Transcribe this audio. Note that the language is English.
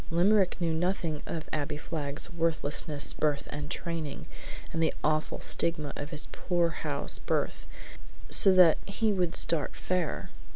Limerick knew nothing of Abbie Flagg's worthlessness, birth, and training, and the awful stigma of his poorhouse birth, so that he would start fair.